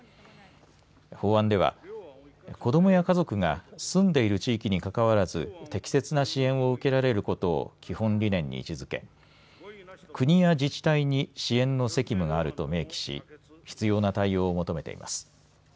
法案では子どもや家族が住んでいる地域にかかわらず適切な支援を受けられることを基本理念に位置づけ国や自治体に支援の責務があると明記し必要な対応を求めています。